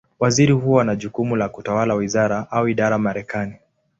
Waziri huwa na jukumu la kutawala wizara, au idara Marekani.